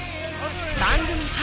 番組初！